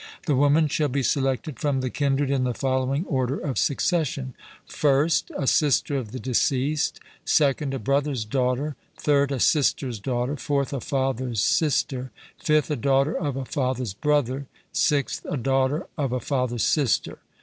The woman shall be selected from the kindred in the following order of succession: first, a sister of the deceased; second, a brother's daughter; third, a sister's daughter; fourth, a father's sister; fifth, a daughter of a father's brother; sixth, a daughter of a father's sister.